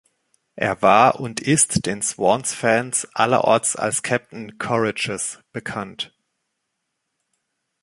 Er war und ist den Swans-Fans allerorts als „Captain Courageous“ bekannt.